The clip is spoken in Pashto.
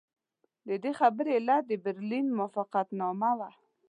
د دې خبرې علت د برلین موافقتنامه وه.